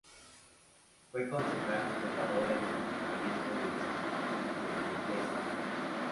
Fue concejal conservador en el Ayuntamiento de Southampton durante tres años.